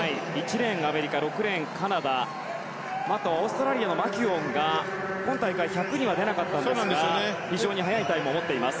１レーン、アメリカ６レーン、カナダあとはオーストラリアのマキュオンが今大会１００ｍには出なかったんですが非常に速いタイムを持っています。